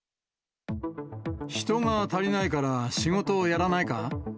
人が足りないから仕事をやらないか？